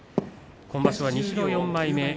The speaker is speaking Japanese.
今場所は西の４枚目。